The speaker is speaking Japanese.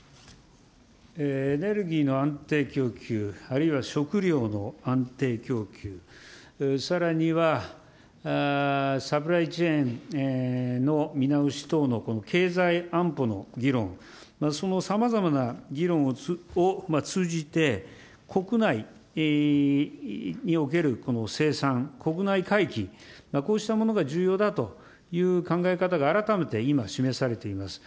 エネルギーの安定供給、あるいは食料の安定供給、さらにはサプライチェーンの見直し等の経済安保の議論、そのさまざまな議論を通じて、国内におけるこの生産、国内回帰、こうしたものが重要だという考え方が改めて今示されています。